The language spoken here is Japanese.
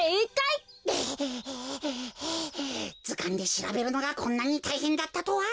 ずかんでしらべるのがこんなにたいへんだったとは！